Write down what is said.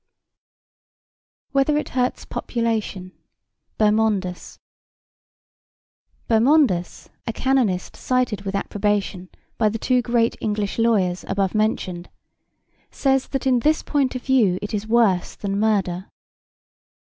Whether it hurts population Bermondus Bermondus, a canonist cited with approbation by the two great English lawyers above mentioned says that in this point of view it is worse than murder.